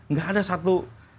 gak ada satu